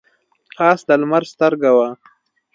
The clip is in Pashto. پاس د لمر سترګه وه.